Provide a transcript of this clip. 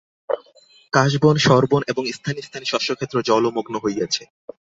কাশবন শরবন এবং স্থানে স্থানে শস্যক্ষেত্র জলমগ্ন হইয়াছে।